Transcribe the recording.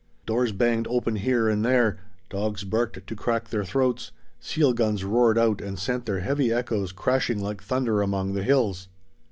Doors banged open here and there; dogs barked to crack their throats; seal guns roared out and sent their heavy echoes crashing like thunder among the hills.